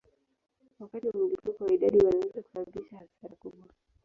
Wakati wa mlipuko wa idadi wanaweza kusababisha hasara kubwa.